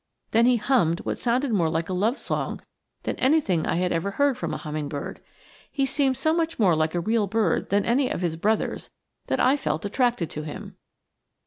Then he hummed what sounded more like a love song than anything I had ever heard from a hummingbird. He seemed so much more like a real bird than any of his brothers that I felt attracted to him.